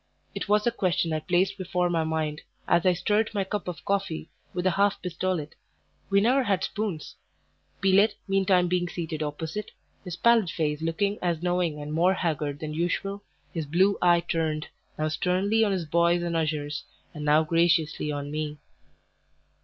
It was the question I placed before my mind as I stirred my cup of coffee with a half pistolet (we never had spoons), Pelet meantime being seated opposite, his pallid face looking as knowing and more haggard than usual, his blue eye turned, now sternly on his boys and ushers, and now graciously on me.